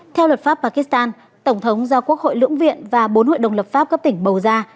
theo luật pháp pakistan tổng thống do quốc hội lưỡng viện và bốn hội đồng lập pháp cấp tỉnh bầu ra